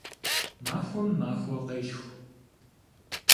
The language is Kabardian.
Махуэм махуэ къелъху.